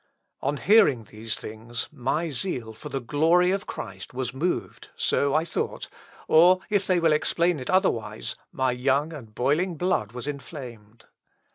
On hearing these things, my zeal for the glory of Christ was moved, (so I thought,) or if they will explain it otherwise, my young and boiling blood was inflamed.